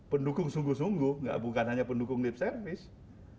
pendukung sungguh sungguh bukan hanya pendukung lip service